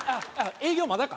「営業まだか？